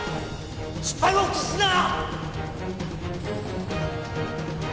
「失敗を映すな！」